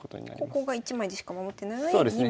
ここが１枚でしか守ってないのに２枚できてると。